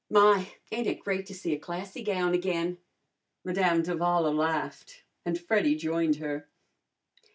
My! ain't it great to see a classy gown again!" Madame d'Avala laughed and Freddy joined her.